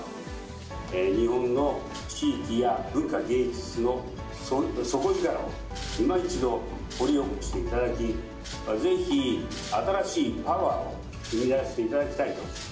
日本の地域や文化芸術の底力をいま一度掘り起こしていただき、ぜひ新しいパワーを生み出していただきたい。